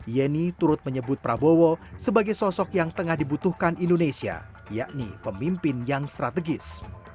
yeni turut menyebut prabowo sebagai sosok yang tengah dibutuhkan indonesia yakni pemimpin yang strategis